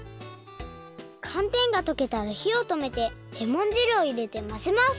かんてんがとけたらひをとめてレモンじるをいれてまぜます